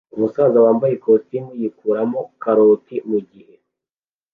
Umusaza wambaye ikositimu yikuramo karoti mugihe